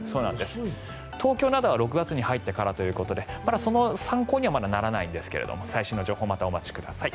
東京などは６月に入ってからということで参考にはならないですけども最新の情報をお待ちください。